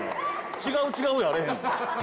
「違う違う」やあれへんねん。